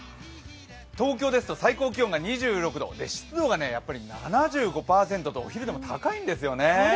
東京ですと最高気温度２６度、湿度がやっぱり７５％とお昼でも高いんですよね。